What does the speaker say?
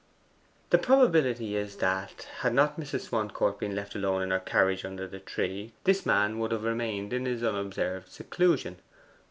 The probability is that, had not Mrs. Swancourt been left alone in her carriage under the tree, this man would have remained in his unobserved seclusion.